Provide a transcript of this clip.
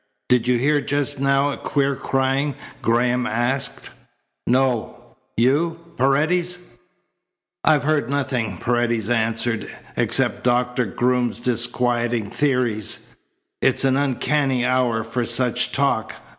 "Did you hear just now a queer crying?" Graham asked. "No." "You, Paredes?" "I've heard nothing," Paredes answered, "except Doctor Groom's disquieting theories. It's an uncanny hour for such talk.